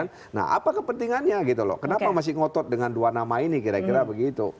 nah apa kepentingannya gitu loh kenapa masih ngotot dengan dua nama ini kira kira begitu